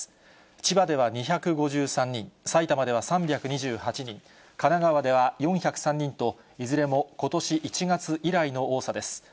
千葉では２５３人、埼玉では３２８人、神奈川では４０３人と、いずれも、ことし１月以来の多さです。